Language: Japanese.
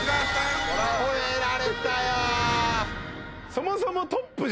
そもそも。